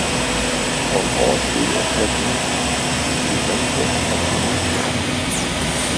On all three occasions Juventus had been the opponent.